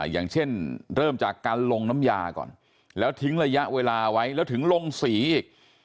อย่างเช่นเริ่มจากการลงน้ำยาก่อนแล้วทิ้งระยะเวลาไว้แล้วถึงลงสีอีก